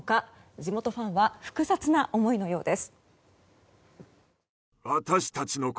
地元ファンは複雑な思いのようです。